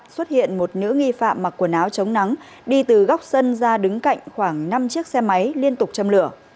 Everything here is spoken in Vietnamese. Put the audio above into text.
xuất hiện một nữ nghi phạm mặc quần áo chống nắng đi từ góc sân ra đứng cạnh khoảng năm chiếc xe máy liên tục châm lửa